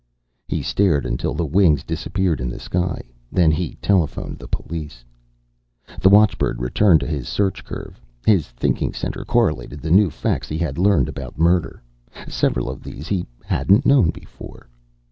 He stared until the wings disappeared in the sky. Then he telephoned the police. The watchbird returned to his search curve. His thinking center correlated the new facts he had learned about murder. Several of these he hadn't known before.